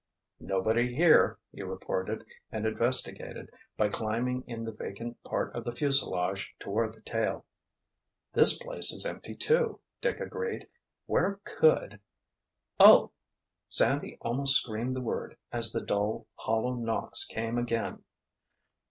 "Nobody here," he reported, and investigated, by climbing in the vacant part of the fuselage toward the tail. "This place is empty, too," Dick agreed. "Where could?——" "Oh!"—Sandy almost screamed the word as the dull, hollow knocks came again.